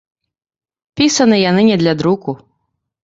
Пісаны яны не для друку.